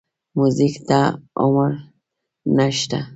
موزیک ته عمر نه شته.